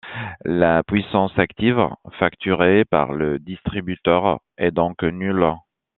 La puissance active, facturée par le distributeur, est donc nulle.